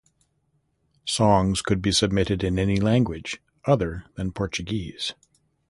Songs could be submitted in any language other than Portuguese.